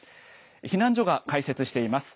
避難所が開設しています。